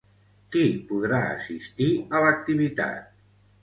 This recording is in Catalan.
Qui podrà assistir a l'activitat?